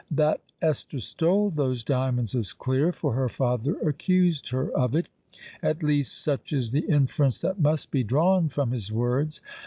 That Esther stole those diamonds is clear—for her father accused her of it. At least such is the inference that must be drawn from his words.